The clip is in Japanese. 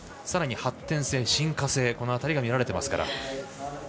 さらに発展性、進化性この辺りが見られてますから。